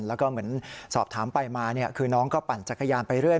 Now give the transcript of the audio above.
แล้วก็เหมือนสอบถามไปมาคือน้องก็ปั่นจักรยานไปเรื่อย